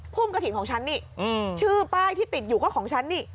ุ่มกระถิ่นของฉันนี่ชื่อป้ายที่ติดอยู่ก็ของฉันนี่